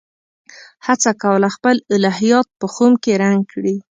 هڅه کوله خپل الهیات په خُم کې رنګ کړي.